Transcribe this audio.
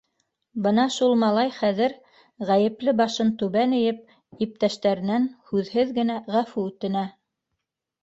Бына шул малай хәҙер, ғәйепле башын түбән эйеп, иптәштәренән һүҙһеҙ генә ғәфү үтенә.